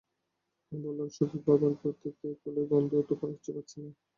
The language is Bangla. আমি বললাম, সফিক, বাবার গা থেকে ফুলের গন্ধ তো কিছু পাচ্ছি না।